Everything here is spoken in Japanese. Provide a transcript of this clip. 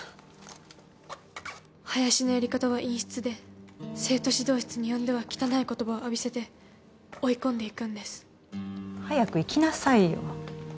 林のやり方は陰湿で生徒指導室に呼んでは汚い言葉を浴びせて追い込んでいくんです早く行きなさいよ